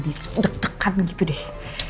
dikdek dekan gitu deh